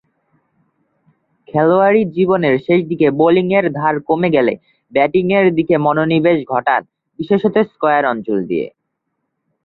খেলোয়াড়ী জীবনের শেষদিকে বোলিংয়ের ধার কমে গেলে ব্যাটিংয়ের দিকে মনোনিবেশ ঘটান বিশেষতঃ স্কয়ার অঞ্চল দিয়ে।